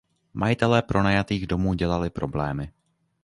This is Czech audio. Majitelé pronajatých domů dělali problémy.